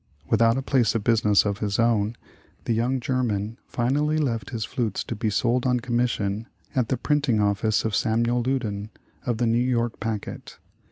Without a place of business of his own, the young German finally left his flutes to be sold on com mission at the printing office of Samuel Loudon, of the "New York Packet."